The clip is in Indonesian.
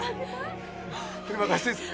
terima kasih sofia